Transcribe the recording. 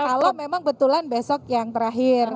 kalau memang betulan besok yang terakhir